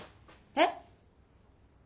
えっ？